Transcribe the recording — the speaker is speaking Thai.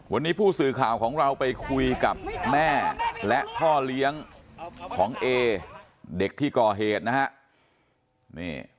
วันนี้ผู้สื่อข่าวของเราไปคุยกับแม่และพ่อเลี้ยงของเอเด็กที่ก่อเหตุนะฮะ